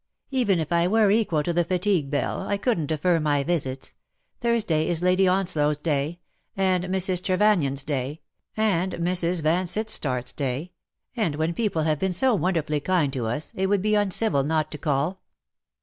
^^Even if I were equal to the fatigue^ Belle^ I couldn^t defer my visits. Thursday is Lady Onslow^s day — and Mrs. Trevannion^s day — and Mrs. Vansit tart^s day — and when people have been so won derfully kind to us, it would ''^be uncivil not to call.